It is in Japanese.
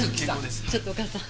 ちょっとお母さん。